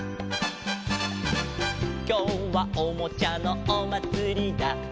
「きょうはおもちゃのおまつりだ」